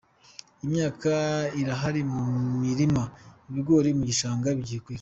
Imyaka irahari mu mirima, ibigori mu gishanga bigiye kwera.